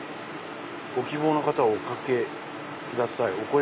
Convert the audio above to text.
「ご希望の方はお声かけ下さい」。